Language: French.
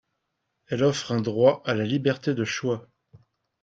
Elle offre un droit à la liberté de choix.